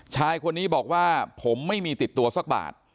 ชายคนนี้บอกว่าผมไม่มีติดตัวสักบาท